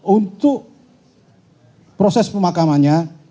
untuk proses pemakamannya